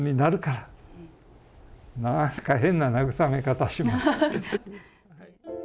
なんか変な慰め方しまして。